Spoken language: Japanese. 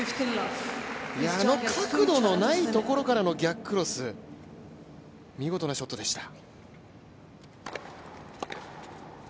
あの角度のないところからの逆クロス、見事なショットでした。